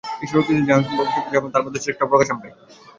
ঈশ্বর অতীতে যা হয়েছেন, ভবিষ্যতে যা হবেন, তার মধ্যে শ্রেষ্ঠ প্রকাশ আমরাই।